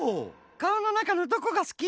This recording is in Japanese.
かおのなかのどこが好き？